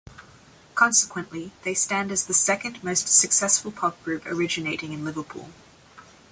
Consequently, they stand as the second most successful pop group originating in Liverpool.